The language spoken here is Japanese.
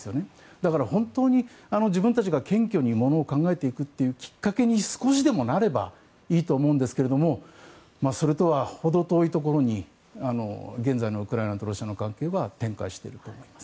だから、本当に自分たちが謙虚にものを考えていくきっかけに少しでもなればいいと思うんですがそれとは程遠いところに現在のウクライナとロシアの関係は展開していると思います。